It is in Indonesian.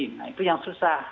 nah itu yang susah